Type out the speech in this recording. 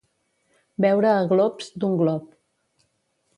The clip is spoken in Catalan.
Beure a glops, d'un glop.